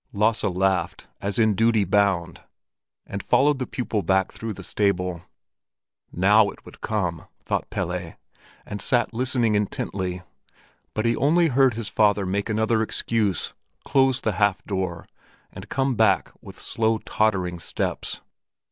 Lasse laughed, as in duty bound, and followed the pupil back through the stable. Now it would come, thought Pelle, and sat listening intently; but he only heard his father make another excuse, close the half door, and come back with slow, tottering steps.